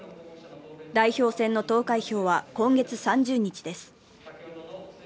代表選の投開票は今月３０日です。